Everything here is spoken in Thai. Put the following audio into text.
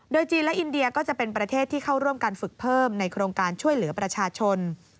จีนและอินเดียก็จะเป็นประเทศที่เข้าร่วมการฝึกเพิ่มในโครงการช่วยเหลือประชาชน